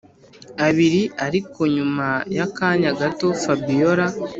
abiri ariko nyuma yakanya gato fabiora